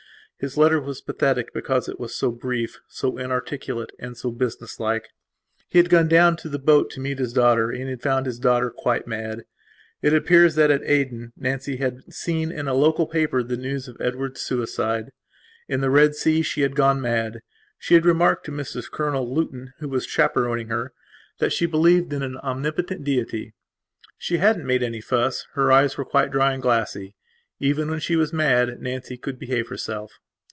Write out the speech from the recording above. His letter was pathetic because it was so brief, so inarticulate, and so business like. He had gone down to the boat to meet his daughter, and had found his daughter quite mad. It appears that at Aden Nancy had seen in a local paper the news of Edward's suicide. In the Red Sea she had gone mad. She had remarked to Mrs Colonel Luton, who was chaperoning her, that she believed in an Omnipotent Deity. She hadn't made any fuss; her eyes were quite dry and glassy. Even when she was mad Nancy could behave herself.